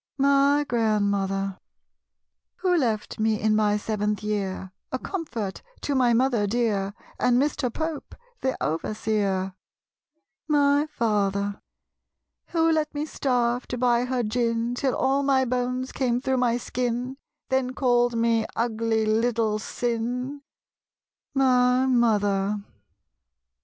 My Grandmother. Who left me in my seventh year, A comfort to my mother dear, And Mr. Pope, the overseer? My Father. Who let me starve, to buy her gin, Till all my bones came through my skin, Then called me "ugly little sin?" My Mother.